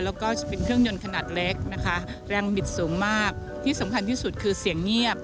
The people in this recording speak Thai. แล้วก็จะเป็นเครื่องยนต์ขนาดเล็กนะคะแรงบิดสูงมากที่สำคัญที่สุดคือเสียงเงียบ